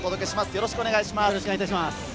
よろしくお願いします。